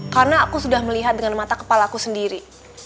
karena aku sudah melihat dengan mata kepala aku sendiri